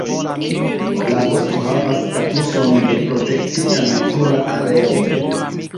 La bosko havas statuson de protektita natura areo.